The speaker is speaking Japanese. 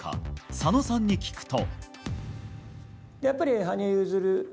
佐野さんに聞くと。